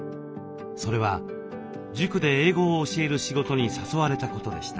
それは塾で英語を教える仕事に誘われたことでした。